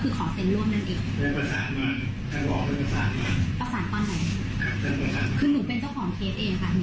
คืออย่างนี้ค่ะถ้าท่านโกหกอย่าก็ต่อเลยก่อน